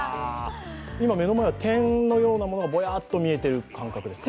今、目の前、点のようなものがぼやっと見えてる感じですか？